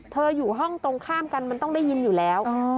อยู่ห้องตรงข้ามกันมันต้องได้ยินอยู่แล้ว